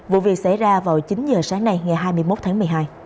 vụ việc xảy ra vào chín giờ sáng nay ngày hai mươi một tháng một mươi hai